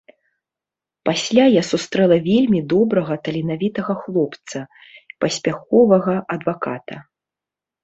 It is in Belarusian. Пасля я сустрэла вельмі добрага таленавітага хлопца, паспяховага адваката.